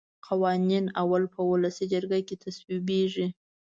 قوانین اول په ولسي جرګه کې تصویبیږي.